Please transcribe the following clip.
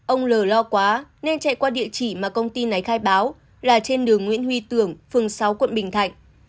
ông l lo quá nên chạy qua địa chỉ mà công ty nấy khai báo là trên đường nguyễn huy tường phương sáu quận bình thạnh